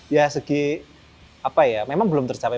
ya segi apa ya memang belum tercapai